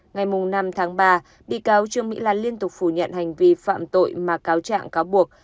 ngày năm tháng ba bị cáo trương mỹ lan liên tục phủ nhận hành vi phạm tội mà cáo trạng cáo buộc